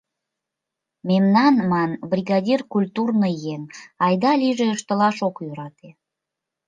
Мемнан, ман, бригадир — культурный еҥ, айда-лийже ыштылаш ок йӧрате.